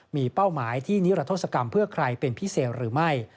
มีเป้าหมายที่นิรัทธศกรรมเพื่อใครเป็นพิเศษหรือไม่